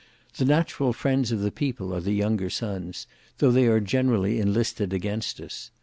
The natural friends of the people are younger sons, though they are generally enlisted against us.